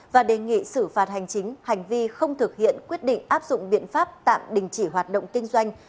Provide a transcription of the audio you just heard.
và đề nghị xử phạt hành chính hành vi không thực hiện quyết định áp dụng biện pháp tạm đình chỉ hoạt động kinh doanh